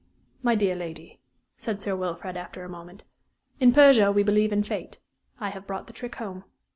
"My dear lady," said Sir Wilfrid, after a moment, "in Persia we believe in fate; I have brought the trick home."